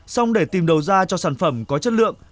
xong để tìm đầu ra cho sản phẩm có chất lượng